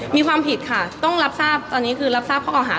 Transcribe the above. มีความผิดค่ะต้องรับทราบตอนนี้คือรับทราบข้อเก่าหา